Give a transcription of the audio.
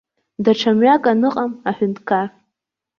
Даҽа мҩак аныҟам, аҳәынҭқар!